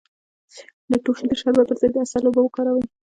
د ټوخي د شربت پر ځای د عسل اوبه وکاروئ